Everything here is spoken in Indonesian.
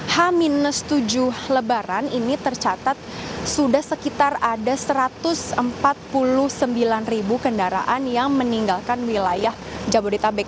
h tujuh lebaran ini tercatat sudah sekitar ada satu ratus empat puluh sembilan ribu kendaraan yang meninggalkan wilayah jabodetabek